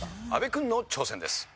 阿部君の挑戦です。